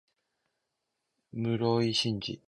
室井慎次